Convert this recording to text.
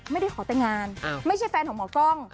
ไม่ได้ขอแต่งงานไม่ใช่แฟนของหมอกล้อง